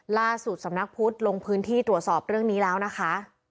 ล่าสุดสำนักพุทธลงพื้นที่ตรวจสอบเรื่องนี้แล้วนะคะ